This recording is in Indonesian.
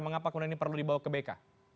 mengapa kemudian ini perlu dibawa ke bk